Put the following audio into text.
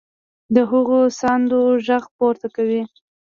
د هغو ساندو غږ پورته کوي.